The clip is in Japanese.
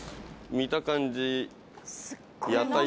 見た感じ。